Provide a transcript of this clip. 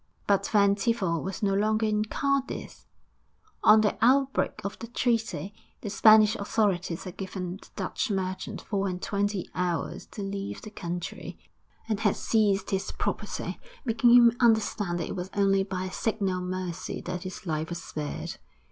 IX But Van Tiefel was no longer in Cadiz! On the outbreak of the treaty, the Spanish authorities had given the Dutch merchant four and twenty hours to leave the country, and had seized his property, making him understand that it was only by a signal mercy that his life was spared.